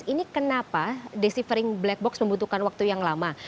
ini kenapa desivering black box membutuhkan waktu yang lama